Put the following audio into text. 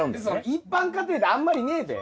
一般家庭であんまりねえべ。